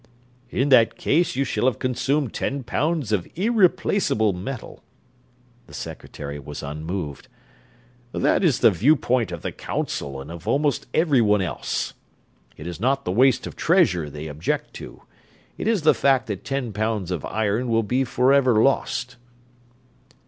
"In that case you shall have consumed ten pounds of irreplaceable metal." The Secretary was unmoved. "That is the viewpoint of the Council and of almost everyone else. It is not the waste of treasure they object to; it is the fact that ten pounds of iron will be forever lost."